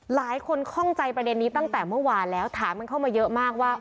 ข้องใจประเด็นนี้ตั้งแต่เมื่อวานแล้วถามกันเข้ามาเยอะมากว่า